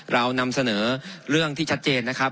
เรานำเสนอเรื่องที่ชัดเจนนะครับ